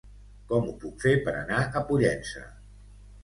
Com ho puc fer per anar a Pollença?